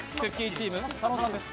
チーム佐野さんです。